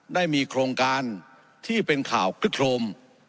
ได้มีโครงการที่เป็นข่าวคลึกโครม